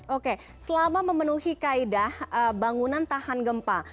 oke selama memenuhi kaedah bangunan tahan gempa